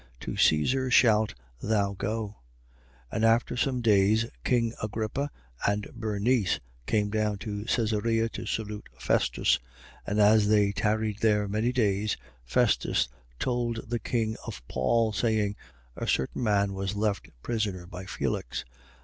To Caesar shalt thou go. 25:13. And after some days, king Agrippa and Bernice came down to Caesarea, to salute Festus. 25:14. And as they tarried there many days, Festus told the king of Paul, saying: A certain man was left prisoner by Felix.